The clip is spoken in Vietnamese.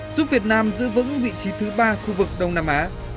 giúp việt nam giữ vững vị trí thứ ba khu vực đông nam á